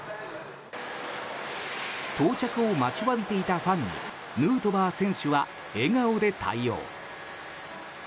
到着を待ちわびていたファンにヌートバー選手は笑顔で対応。